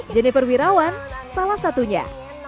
jennifer wirawan salah satunya